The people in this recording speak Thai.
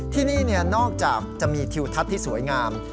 ที่นี่นอกจากจะมีทิวทัศน์ที่สวยงาม